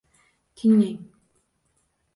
Tinglang!